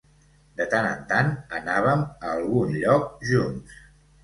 De tant en tant anàvem a algun lloc junts.